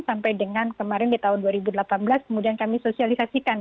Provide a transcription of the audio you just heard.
sampai dengan kemarin di tahun dua ribu delapan belas kemudian kami sosialisasikan